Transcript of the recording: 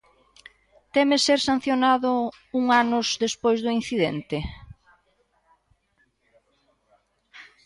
Teme ser sancionado un anos despois do incidente?